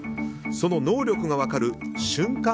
その能力が分かる瞬間